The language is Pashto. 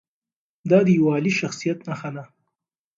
دا د یوه عالي شخصیت نښه ده.